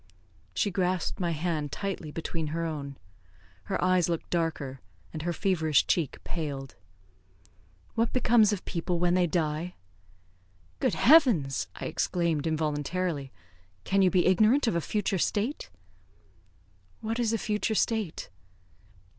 She grasped my hand tightly between her own. Her eyes looked darker, and her feverish cheek paled. "What becomes of people when they die?" "Good heavens!" I exclaimed involuntarily; "can you be ignorant of a future state?" "What is a future state?"